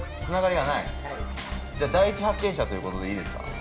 はいじゃあ第一発見者ということでいいですか？